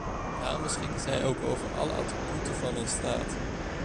Daarom beschikken zij ook over alle attributen van een staat.